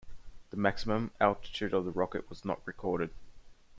The maximum altitude of the rocket was not recorded.